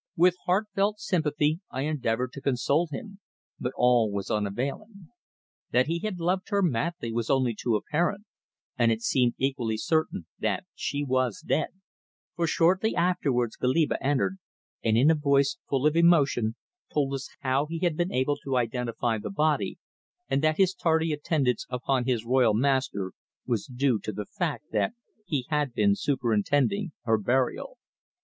With heartfelt sympathy I endeavoured to console him, but all was unavailing. That he had loved her madly was only too apparent, and it seemed equally certain that she was dead, for shortly afterwards Goliba entered, and in a voice full of emotion told us how he had been able to identify the body, and that his tardy attendance upon his royal master was due to the fact that he had been superintending her burial.